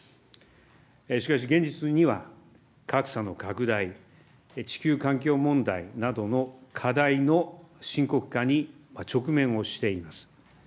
しかし現実には、格差の拡大、地球環境問題などの課題の深刻化に直面をしています。